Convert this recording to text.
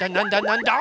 なんだ？